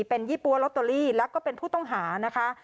เป็นยี่ปั๊วลอตเตอรี่แล้วก็เป็นผู้ต้องหานะคะ